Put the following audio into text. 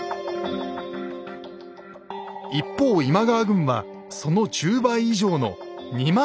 一方今川軍はその１０倍以上の２万５，０００。